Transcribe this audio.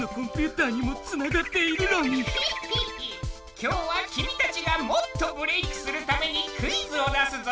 今日は君たちがもっとブレイクするためにクイズを出すぞ！